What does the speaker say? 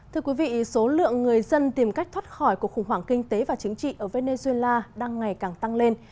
thưa quý vị số lượng người dân tìm cách thoát khỏi cuộc khủng hoảng kinh tế và chính trị ở venezuela đang ngày càng tăng lên